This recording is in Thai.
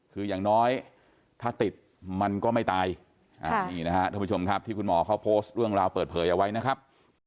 คืออย่างน้อยถ้าติดมันก็ไม่ตายนี่นะครับท่านผู้ชมครับที่คุณหมอเขาโพสต์เรื่องราวเปิดเผยเอาไว้นะครับ